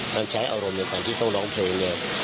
การใช้อารมณ์ในการที่ต้องร้องเพลง